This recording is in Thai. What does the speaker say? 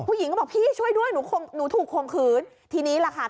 ผู้หญิงก็บอกพี่ช่วยด้วยหนูคงหนูถูกข่มขืนทีนี้แหละค่ะ